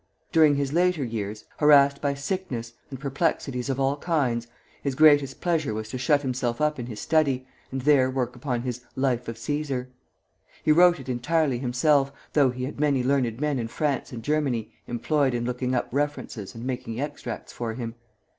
During his later years, harassed by sickness and perplexities of all kinds, his greatest pleasure was to shut himself up in his study, and there work upon his "Life of Cæsar." He wrote it entirely himself, though he had many learned men in France and Germany employed in looking up references and making extracts for him.